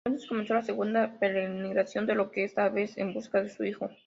Entonces comenzó la segunda peregrinación de Io, esta vez en busca de su hijo.